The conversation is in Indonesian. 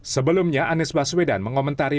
sebelumnya anies baswedan mengomentari